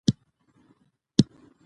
مور د ماشومانو د رواني روغتیا پام کوي.